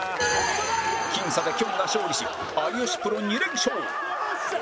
僅差できょんが勝利し有吉プロ２連勝